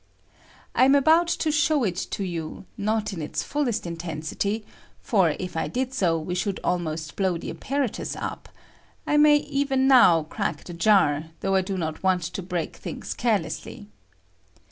I am about to show it to you not in its fullest intensity, for if I did so we should almost blow the apparatus up ; I may even now crack the jar, though I do not want to break things carelessly.